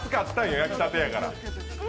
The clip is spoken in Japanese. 焼きたてやから。